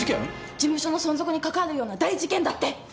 事務所の存続にかかわるような大事件だって。